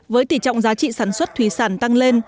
với tỉ trọng giá trị sản xuất thủy sản tăng